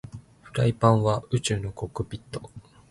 フライパンは宇宙のコックピット